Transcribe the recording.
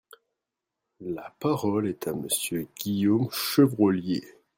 La parole est à Monsieur Guillaume Chevrollier.